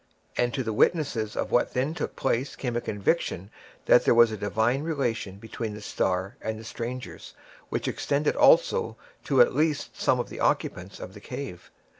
And to the witnesses of what then took place came a conviction that there was a divine relation between the star and the strangers, which extended also to at least some of the occupants of the cave.